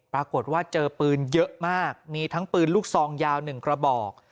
ปรากฏว่าเจอปืนเยอะมากมีทั้งปืนลูกซองยาว๑กระบอก